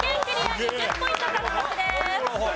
２０ポイント獲得です。